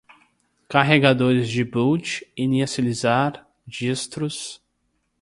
carregadores de boot, inicializar, distros